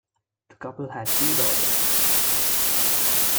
The couple had two daughters.